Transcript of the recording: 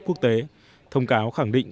quốc tế thông cáo khẳng định